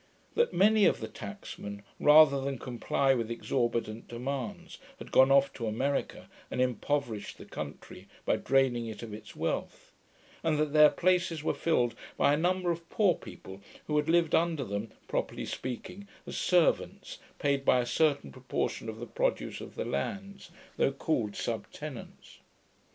That many of the tacksmen, rather than comply with exorbitant demands, had gone off to America, and impoverished the country, by draining it of its wealth; and that their places were filled by a number of poor people, who had lived under them, properly speaking, as servants, paid by a certain proportion of the produce of the lands, though called sub tenants.